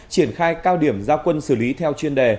triển khai cao điểm giao quân xử lý theo chuyên đề